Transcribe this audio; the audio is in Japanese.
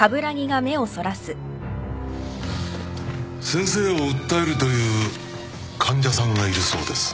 先生を訴えるという患者さんがいるそうです。